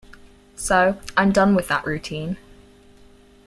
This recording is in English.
So, I'm done with that routine.